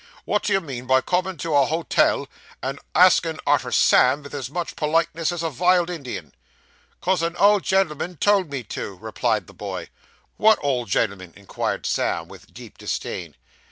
What do you mean by comin' to a hot el, and asking arter Sam, vith as much politeness as a vild Indian?' ''Cos an old gen'l'm'n told me to,' replied the boy. 'What old gen'l'm'n?' inquired Sam, with deep disdain.